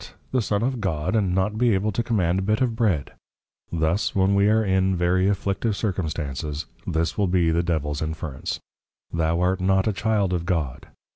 the Son of God, and not be able to Command a Bit of Bread!_ Thus, when we are in very Afflictive Circumstances, this will be the Devils Inference, _Thou art not a Child of God.